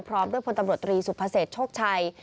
พร้อมด้วยผลตำรวจรีศุภเภสชกชัย